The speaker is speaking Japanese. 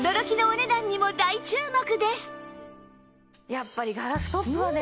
やっぱりガラストップはね